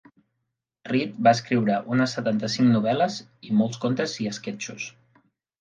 Reid va escriure unes setanta-cinc novel·les i molts contes i esquetxos.